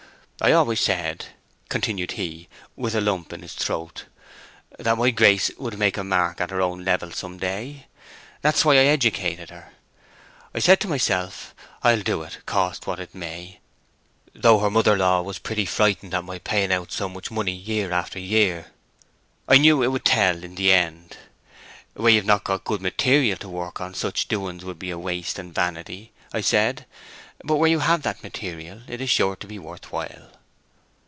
I always said," continued he, with a lump in his throat, "that my Grace would make a mark at her own level some day. That was why I educated her. I said to myself, 'I'll do it, cost what it may;' though her mother law was pretty frightened at my paying out so much money year after year. I knew it would tell in the end. 'Where you've not good material to work on, such doings would be waste and vanity,' I said. 'But where you have that material it is sure to be worth while.